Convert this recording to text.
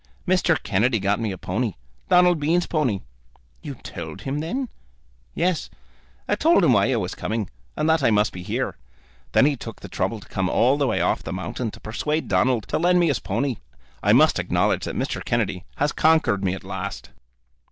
"Mr. Kennedy got me a pony, Donald Bean's pony." "You told him, then?" "Yes; I told him why I was coming, and that I must be here. Then he took the trouble to come all the way off the mountain to persuade Donald to lend me his pony. I must acknowledge that Mr. Kennedy has conquered me at last."